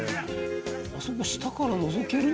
あそこ下からのぞける？